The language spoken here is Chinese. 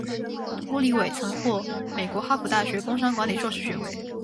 乌里韦曾获美国哈佛大学工商管理硕士学位。